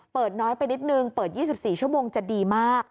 น้อยไปนิดนึงเปิด๒๔ชั่วโมงจะดีมาก